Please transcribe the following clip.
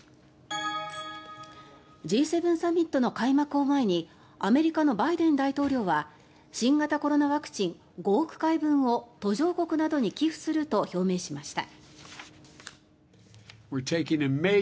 Ｇ７サミットの開幕を前にアメリカのバイデン大統領は新型コロナワクチン５億回分を途上国などに寄付すると表明しました。